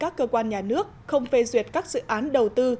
các cơ quan nhà nước không phê duyệt các dự án đầu tư